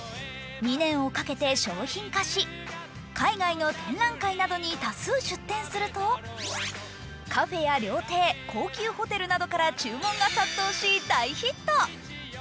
２年をかけて商品化し、海外の展覧会などに多数出展するとカフェや料亭、高級ホテルなどから注文が殺到し大ヒット。